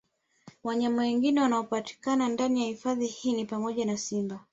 Wanyama wengine wanaopatikana ndani ya hifadhi hii ni pamoja na Simba